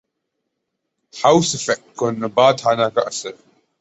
house effect کو نبات خانہ کا اثر